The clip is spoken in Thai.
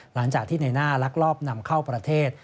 หลังจากที่ในหน้าลักลอบนำเข้าประเทศ